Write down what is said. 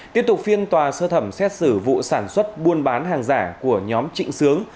tiếp tục phiên tòa sơ thẩm xét xử vụ sản xuất buôn bán hàng giả của nhóm trịnh sướng